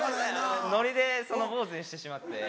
ノリで坊ずにしてしまって。